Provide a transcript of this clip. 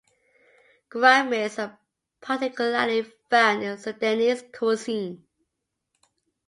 Gouramis are particularly found in Sundanese cuisine.